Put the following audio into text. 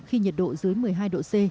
khi nhiệt độ dưới một mươi hai độ c